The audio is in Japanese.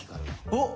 おっ！